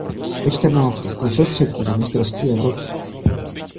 Ve čtrnácti skončil třetí na mistrovství Evropy.